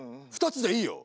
２つでいいよ。